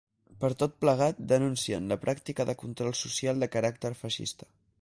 Per tot plegat, denuncien ‘la pràctica de control social de caràcter feixista’.